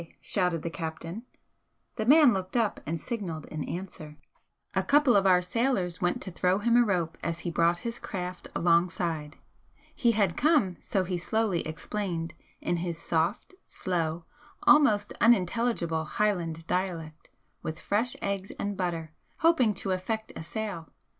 shouted the captain. The man looked up and signalled in answer. A couple of our sailors went to throw him a rope as he brought his craft alongside. He had come, so he slowly explained in his soft, slow, almost unintelligible Highland dialect, with fresh eggs and butter, hoping to effect a sale.